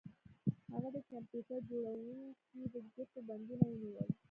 هغه د کمپیوټر جوړونکي د ګوتو بندونه ونیول